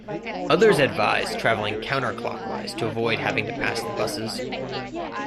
Others advise traveling counter-clockwise to avoid having to pass the buses.